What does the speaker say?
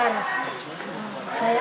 kan masih anak anak